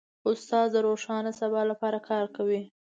استاد د روښانه سبا لپاره کار کوي.